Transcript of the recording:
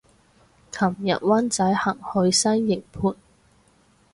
琴日灣仔行去西營盤